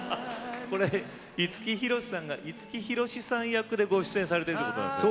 五木ひろしさんが五木ひろしさん役でご出演されているんですね。